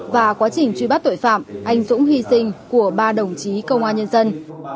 và quá trình truy bắt tội phạm anh dũng hy sinh của ba đồng chí công an nhân dân